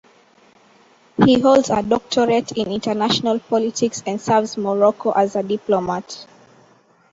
He holds a doctorate in international politics and serves Morocco as a diplomat.